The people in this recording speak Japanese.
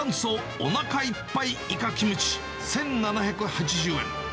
おなかいっぱいイカキムチ１７８０円。